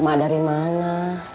emak dari mana